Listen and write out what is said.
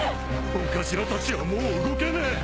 お頭たちはもう動けねえ。